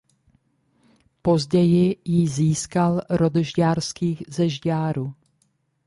Později ji získal rod Žďárských ze Žďáru.